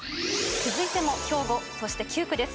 続いても兵庫９区です。